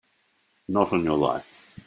Not on your life!